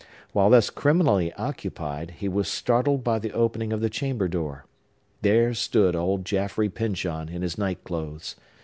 While thus criminally occupied, he was startled by the opening of the chamber door. There stood old Jaffrey Pyncheon, in his nightclothes!